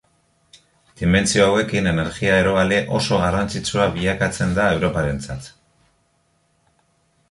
Dimentsio hauekin energia eroale oso garrantzitsua bilakatzen da Europarentzat.